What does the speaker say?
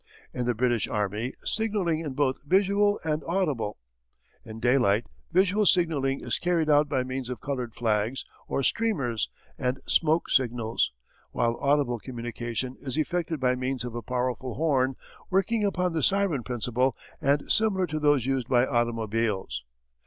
In the British Army, signalling is both visual and audible. In daylight visual signalling is carried out by means of coloured flags or streamers and smoke signals, while audible communication is effected by means of a powerful horn working upon the siren principle and similar to those used by automobiles.